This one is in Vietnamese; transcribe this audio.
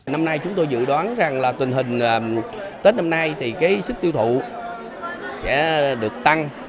năm nay chúng tôi dự đoán rằng là tình hình tết năm nay thì cái sức tiêu thụ sẽ được tăng